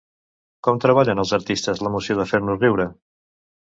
Com treballen els artistes l'emoció de fer-nos riure?